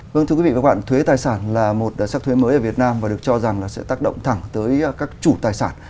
vâng thưa quý vị và các bạn thuế tài sản là một sắc thuế mới ở việt nam và được cho rằng là sẽ tác động thẳng tới các chủ tài sản